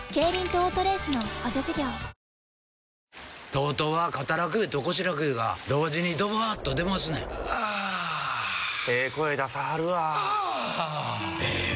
ＴＯＴＯは肩楽湯と腰楽湯が同時にドバーッと出ますねんあええ声出さはるわあええ